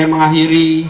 ijinkan saya mengakhiri